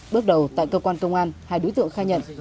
bước đầu tại cơ quan công an hai đối tượng khai nhận